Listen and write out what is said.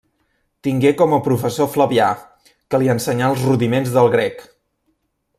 Tingué com a professor Flavià, que li ensenyà els rudiments del grec.